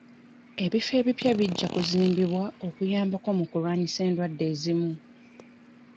Ebifo ebipya bijja kuzimbibwa okuyambako mu kulwanyisa endwadde ezimu.